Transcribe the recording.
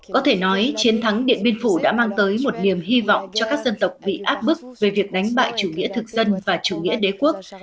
có thể nói chiến thắng điện biên phủ đã mang tới một niềm hy vọng cho các dân tộc bị áp bức về việc đánh bại chủ nghĩa thực dân và chủ nghĩa đế quốc